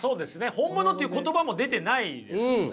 「本物」という言葉も出てないですよね。